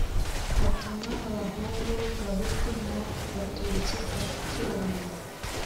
atuma abahungu gahutu na gatutsi kwa kibariro